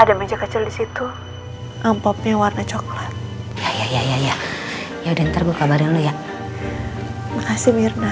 ada meja kecil disitu ampoknya warna coklat ya ya ya ya udah ntar gue kabarin lu ya makasih mirna